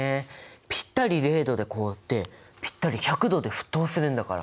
ピッタリ０℃で凍ってピッタリ１００℃で沸騰するんだから！